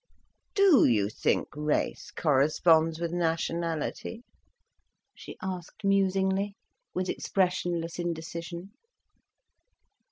"Do you think race corresponds with nationality?" she asked musingly, with expressionless indecision.